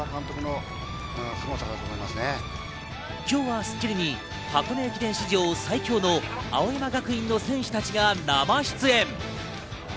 今日は『スッキリ』に箱根駅伝史上最強の青山学院の選手たちが生出演。